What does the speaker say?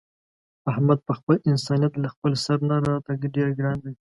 احمد په خپل انسانیت له خپل سر نه راته ډېر ګران دی.